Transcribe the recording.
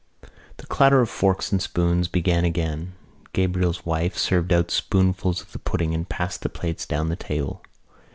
The clatter of forks and spoons began again. Gabriel's wife served out spoonfuls of the pudding and passed the plates down the table.